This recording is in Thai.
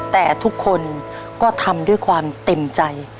แต่ทุกคนก็ทำด้วยความเต็มใจ